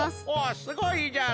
すごいじゃろ？